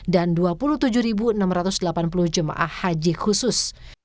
dan dua puluh tujuh enam ratus delapan puluh jemaah haji khusus